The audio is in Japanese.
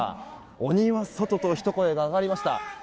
鬼は外とひと声が上がりました。